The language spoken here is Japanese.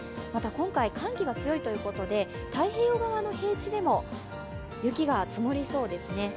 また今回、寒気が強いということで太平洋側の平地でも雪が積もりそうですね。